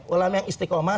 ulama yang istiqomah